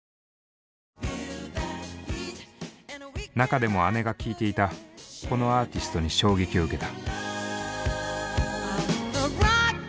中でも姉が聴いていたこのアーティストに衝撃を受けた。